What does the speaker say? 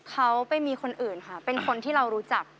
เขาไปมีคนอื่นค่ะเป็นคนที่เรารู้จัก